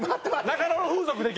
中野の風俗出禁！